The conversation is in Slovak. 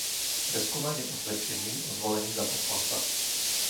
Preskúmanie osvedčení o zvolení za poslanca